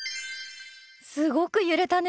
すごく揺れたね。